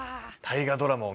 大河ドラマ。